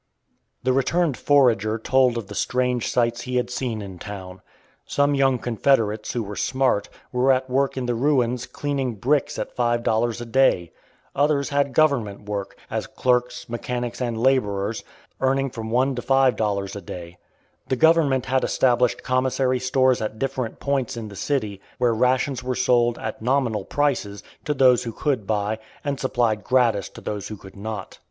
The returned forager told of the strange sights he had seen in town. Some young Confederates, who were smart, were at work in the ruins cleaning bricks at five dollars a day. Others had government work, as clerks, mechanics, and laborers, earning from one to five dollars a day. The government had established commissary stores at different points in the city, where rations were sold, at nominal prices, to those who could buy, and supplied gratis to those who could not.